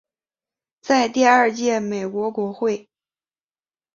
在第二届美国国会。